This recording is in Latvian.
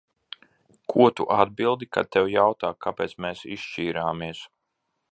Ko tu atbildi, kad tev jautā, kāpēc mēs izšķīrāmies?